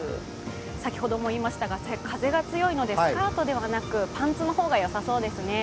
先ほども言いましたが、風が強いのでスカートではなくパンツの方がよさそうですね。